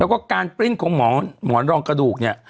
แล้วก็การปริ้นของหมอนรองกระดูกเนี่ย